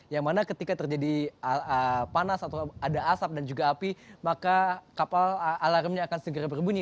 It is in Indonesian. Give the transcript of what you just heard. yang mana ketika terjadi panas atau ada asap dan juga api maka kapal alarmnya akan segera berbunyi